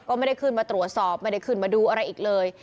ก็ไม่ได้ขึ้นมาตรวจสอบไม่ได้ขึ้นมาดูอะไรอีกเลย